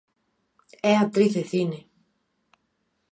É actriz de cine.